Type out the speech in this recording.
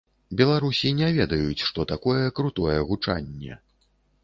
Беларусі не ведаюць, што такое крутое гучанне.